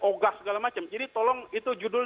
ogah segala macam jadi tolong itu judul